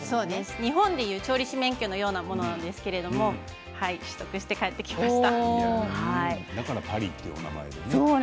日本でいう調理師免許のようなものなんですけど、取得して帰ってきました。